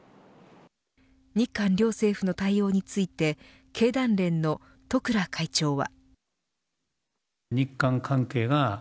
日韓両政府の対応について経団連の十倉会長は。